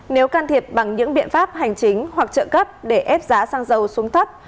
nếu can thiệp bằng những biện pháp hành chính hoặc trợ cấp để ép giá xăng dầu xuống thấp